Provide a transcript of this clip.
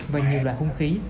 và nhiều loại hung khí